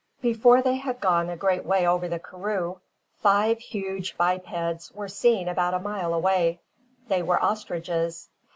Before they had gone a great way over the karroo, five huge bipeds were seen about a mile away. They were ostriches.